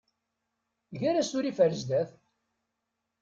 Ger asurif ar zdat!